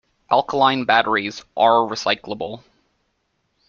Alkaline batteries are recyclable.